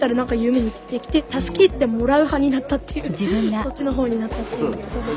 そっちの方になったっていう。